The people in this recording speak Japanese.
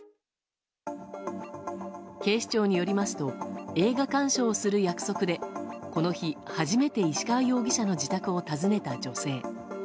警視庁によりますと映画鑑賞をする約束でこの日、初めて石川容疑者の自宅を訪ねた女性。